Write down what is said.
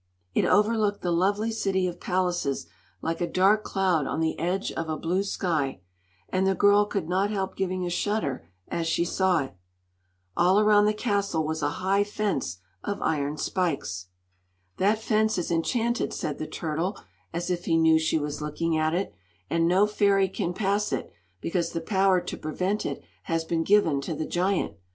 It overlooked the lovely city of palaces like a dark cloud on the edge of a blue sky, and the girl could not help giving a shudder as she saw it. All around the castle was a high fence of iron spikes. "That fence is enchanted," said the turtle, as if he knew she was looking at it; "and no fairy can pass it, because the power to prevent it has been given to the giant.